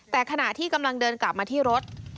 แต่ขณะที่กำลังเดินกลับมาที่รถ